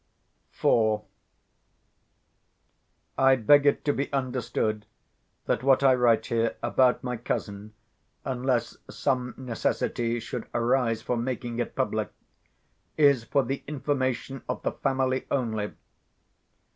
IV I beg it to be understood that what I write here about my cousin (unless some necessity should arise for making it public) is for the information of the family only.